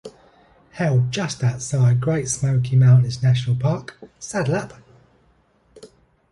Held just outside Great Smoky Mountains National Park, SaddleUp!